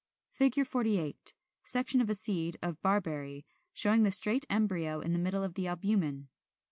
] [Illustration: Fig. 48. Section of a seed of Barberry, showing the straight embryo in the middle of the albumen.